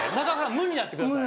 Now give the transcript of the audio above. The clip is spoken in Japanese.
無になってください